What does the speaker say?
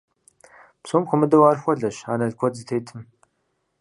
Псом хуэмыдэу, ар хуэлъэщ анэл куэд зытетым.